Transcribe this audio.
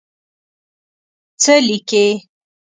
څه لیکې.